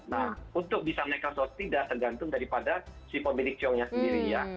nah untuk bisa nekla tidak tergantung daripada si pemilik ciongnya sendiri ya